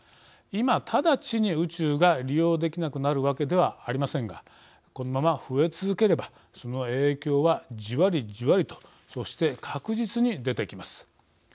今、直ちに宇宙が利用できなくなるわけではありませんがこのまま増え続ければその影響は、じわりじわりとそして、確実に出てきます。